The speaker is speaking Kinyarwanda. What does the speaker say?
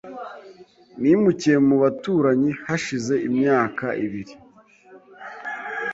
Nimukiye mu baturanyi hashize imyaka ibiri .